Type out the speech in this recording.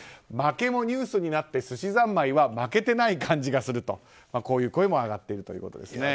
負けもニュースになってすしざんまいは負けてない感じがするとこういう声も上がっているということです。